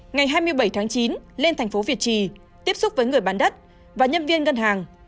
ngày hai mươi bảy tháng chín lên thành phố việt trì tiếp xúc với người bán đất và nhân viên ngân hàng